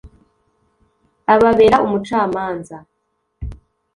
ababera umucamanza